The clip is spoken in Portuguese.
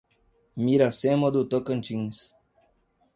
Miracema do Tocantins